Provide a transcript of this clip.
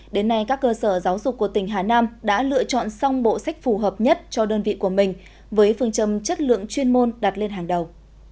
đến nay các cơ sở giáo dục của tỉnh hà nam đã lựa chọn xong bộ sách phù hợp nhất cho đơn vị của mình với phương châm chất lượng chuyên môn đặt lên hàng đầu